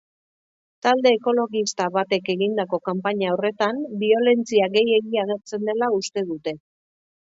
Talde ekologista batek egindako kanpaina horretan biolentzia gehiegi agertzen dela uste dute.